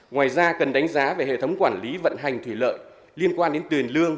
ngoài ra cần đánh giá về hệ thống quản lý vận hành thủy lợi liên quan đến tiền lương